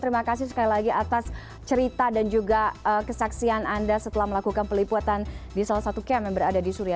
terima kasih sekali lagi atas cerita dan juga kesaksian anda setelah melakukan peliputan di salah satu camp yang berada di suria